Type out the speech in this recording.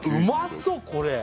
そうこれ！